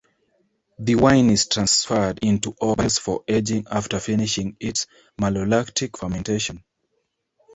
The wine is transferred into oak barrels for aging after finishing its malolactic fermentation.